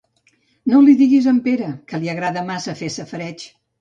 No li diguis a en Pere, que li agrada massa fer safareig.